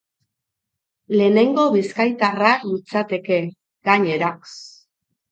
Lehenengo bizkaitarra litzateke, gainera.